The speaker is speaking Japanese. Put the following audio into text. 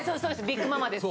ビッグママです。